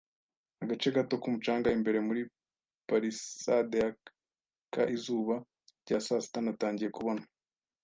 agace gato k'umucanga imbere muri palisade yaka izuba rya sasita, natangiye kubona